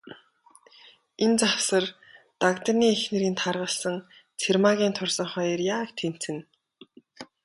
Энэ завсар, Дагданы эхнэрийн таргалсан, Цэрмаагийн турсан хоёр яг тэнцэнэ.